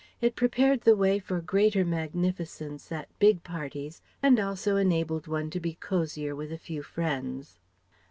It prepared the way for greater magnificence at big parties and also enabled one to be cosier with a few friends.